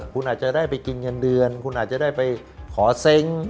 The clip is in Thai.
คุณอาจจะได้ไปกินเงินเดือนคุณอาจจะได้ไปขอเซ้ง